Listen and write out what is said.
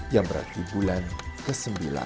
yang berarti bulan kasanga